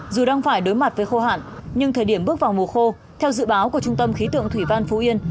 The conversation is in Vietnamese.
dù đang phải đối mặt với khô hạn nhưng thời điểm bước vào mùa khô theo dự báo của trung tâm khí tượng thủy văn phú yên